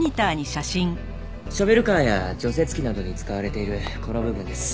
ショベルカーや除雪機などに使われているこの部分です。